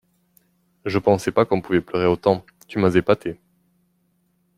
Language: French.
Je pensais pas qu’on pouvait pleurer autant, tu m’as épatée.